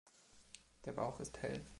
Der Bauch ist hell.